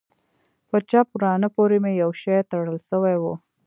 په چپ ورانه پورې مې يو شى تړل سوى و.